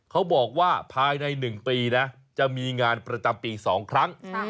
เขาบอกว่าภายในหนึ่งปีนะจะมีงานประตับปีสองครั้ง